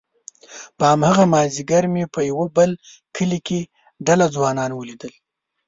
په هماغه مازيګر مې په يوه بل کلي کې ډله ځوانان وليدل،